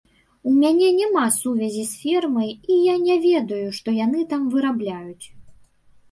У мяне няма сувязі з фермай, і я не ведаю, што яны там вырабляюць.